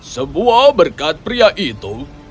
sebuah berkat pria itu